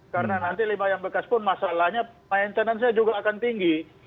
karena nanti lima yang bekas pun masalahnya maintenance nya juga akan tinggi